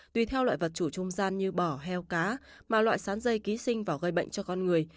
tùy theo loại vật chủ trung gian như bò heo cá mà loại sán dây ký sinh vào gây bệnh cho con người